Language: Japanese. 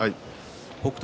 北勝